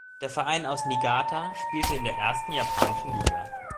Der Verein aus Niigata spielte in der Ersten japanischen Liga.